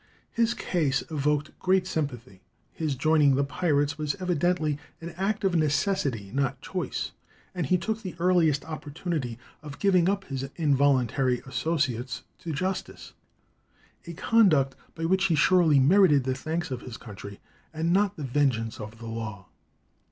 His case evoked great sympathy. "His joining the pirates was evidently an act of necessity, not choice," and he took the earliest opportunity of giving up his involuntary associates to justice—a conduct by which he surely merited the thanks of his country, and not the vengeance of the law.